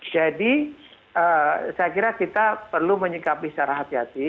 jadi saya kira kita perlu menyikapi secara hati hati